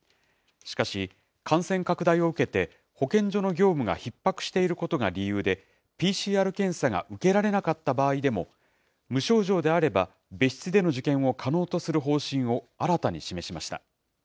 しかし、感染拡大を受けて、保健所の業務がひっ迫していることが理由で、ＰＣＲ検査が受けられなかった場合でも、無症状であれば別室での受験を可能とする方針を新たに示しました。